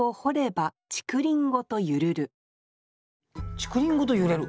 「竹林ごと揺れる」。